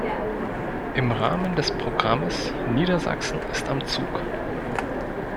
Im Rahmen des Programmes Niedersachsen ist am Zug!